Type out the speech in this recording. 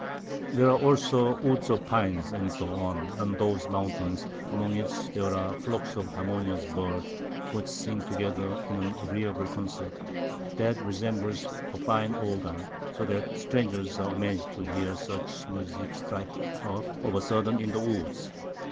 There are also Woods of Pines, &c. on those Mountains, among which there are Flocks of harmonious Birds, which sing together in an agreeable Consort, that resembles a fine Organ, so that Strangers are amaz'd to hear such Musick strike up of a sudden in the Woods.